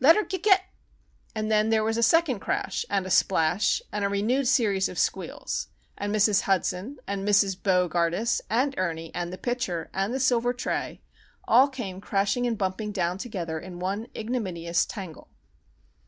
"Let her g get——" And then there was a second crash, and a splash, and a renewed series of squeals, and Mrs. Hudson, and Mrs. Bo gardus, and Ernie, and the pitcher, and the silver tray, all came crashing and bumping down together in one ignominious tangle.